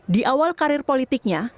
di awal karir politiknya